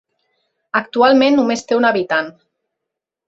Actualment només té un habitant.